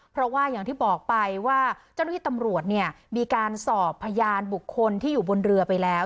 เพราะว่าอย่างที่บอกไปว่าเจ้าหน้าที่ตำรวจเนี่ยมีการสอบพยานบุคคลที่อยู่บนเรือไปแล้ว